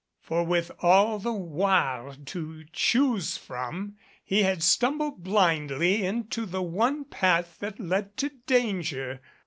For with all the Oire to choose from he had stumbled blindly into the one path that led to danger.